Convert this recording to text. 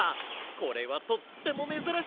これはとってもめずらしいはなだ！